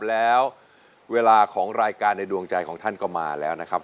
แล้วเวลาของรายการในดวงใจของท่านก็มาแล้วนะครับ